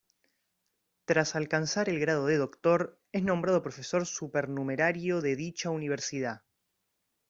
Tras alcanzar el grado de doctor, es nombrado profesor supernumerario de dicha Universidad.